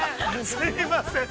◆すいません。